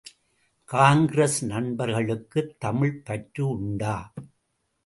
காங்கிரஸ் நண்பர்களுக்குத் தமிழ்ப் பற்று உண்டா?